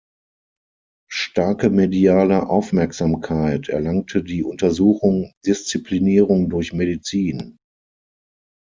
Starke mediale Aufmerksamkeit erlangte die Untersuchung "Disziplinierung durch Medizin.